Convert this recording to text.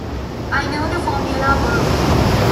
I knew the formula worked.